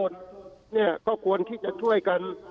เราควรที่จะช่วยกัน